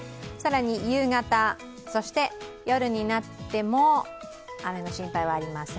夕方、そして、夜になっても雨の心配はありません。